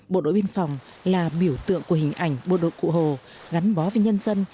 bộ đội biên phòng là biểu tượng của hình ảnh bộ đội cụ hồ gắn bó với nhân dân